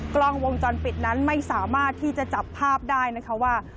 กล้องวงจรปิดนั้นไม่สามารถที่จะจับภาพได้นะคะว่า